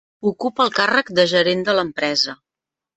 Ocupa el càrrec de gerent de l'empresa.